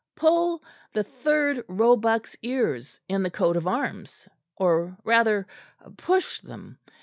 "Pull the third roebuck's ears in the coat of arms, or rather push them.